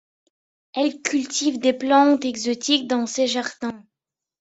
Elle cultive des plantes exotiques dans ses jardins.